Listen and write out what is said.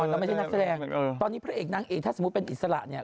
เราไม่ใช่นักแสดงตอนนี้พระเอกนางเอกถ้าสมมุติเป็นอิสระเนี่ย